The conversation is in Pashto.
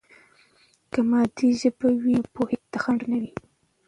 که مادي ژبه وي، نو پوهې ته خنډ نه وي.